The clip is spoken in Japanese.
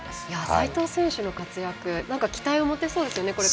齋藤選手の活躍期待を持てそうですよね。